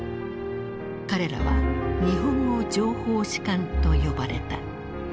彼らは「日本語情報士官」と呼ばれた。